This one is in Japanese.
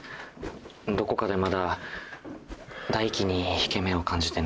どこかでまだ大樹に引け目を感じてんのかも。